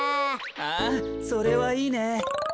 ああそれはいいね。